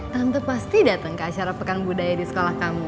tante pasti dateng ke asyara pekang budaya di sekolah kamu